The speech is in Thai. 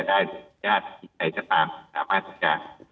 ใครซึ่งฝากก็จะ